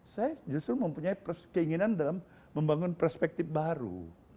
saya justru mempunyai keinginan dalam membangun perspektif baru